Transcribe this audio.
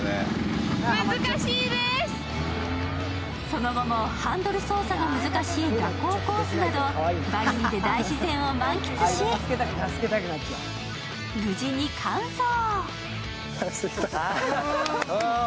その後もハンドル操作が難しい蛇行コースなどバギーで大自然を満喫し、無事に完走。